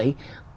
tôi không biết